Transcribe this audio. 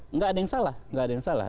enggak ada yang salah